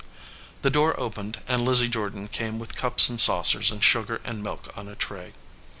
The door opened, and Lizzie Jordan came with cups and saucers and sugar and milk on a tray.